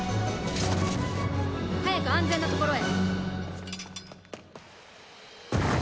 早く安全な所へ。